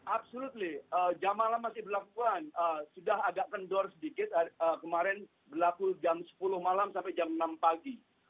absolutely jam malam masih berlaku sudah agak kendor sedikit kemarin berlaku jam sepuluh malam sampai jam enam pagi